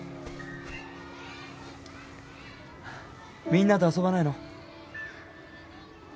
みんなと遊ばないの？